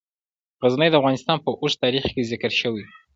غزني د افغانستان په اوږده تاریخ کې ذکر شوی دی.